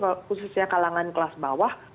khususnya kalangan kelas bawah